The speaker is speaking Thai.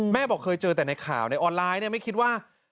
บอกเคยเจอแต่ในข่าวในออนไลน์ไม่คิดว่า